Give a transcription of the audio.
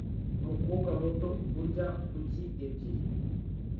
Umukobwa muto urya kuki ebyiri